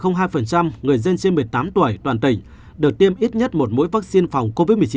tám mươi ba hai người dân trên một mươi tám tuổi toàn tỉnh được tiêm ít nhất một mũi vaccine phòng covid một mươi chín